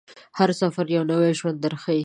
هر سفر یو نوی ژوند درښيي.